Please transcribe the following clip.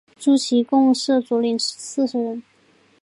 诸旗共设佐领四十人。